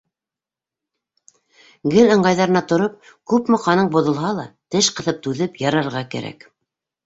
Гел ыңғайҙарына тороп, күпме ҡаның боҙолһа ла, теш ҡыҫып түҙеп, ярарға кәрәк.